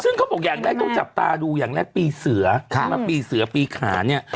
ซึ่งเขาบอกอย่างแรกต้องจับตาดูอย่างแรกปีเสือมาปีเสือปีขาเนี่ย